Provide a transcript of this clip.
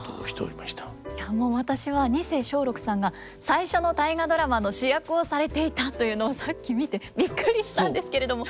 いやもう私は二世松緑さんが最初の「大河ドラマ」の主役をされていたというのをさっき見てびっくりしたんですけれども。